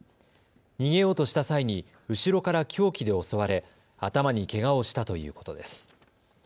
逃げようとした際に後ろから凶器で襲われ頭にけがをしたということです。